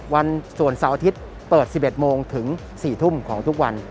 วันส่วนเสาร์อาทิตย์เปิด๑๑โมงถึง๔ทุ่มของทุกวัน